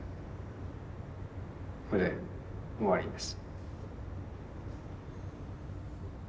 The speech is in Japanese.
これで終わりです。